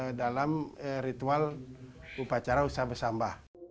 nah ini adalah ritual upacara usaha bersambah